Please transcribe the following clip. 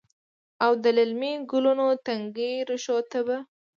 او د للمې ګلونو، تنکۍ ریښو ته به،